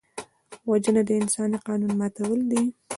وژنه د انساني قانون ماتول دي